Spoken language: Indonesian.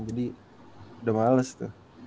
jadi udah males tuh